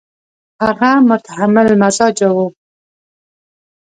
هغه متحمل مزاجه وو.